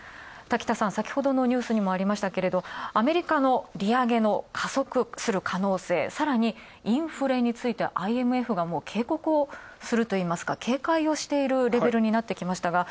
滝田さん、先ほどのニュースにもありましたけど、アメリカの利上げの加速する可能性、さらに、インフレについて、ＩＭＦが警告をするといいますか警戒をしているレベルになってきた。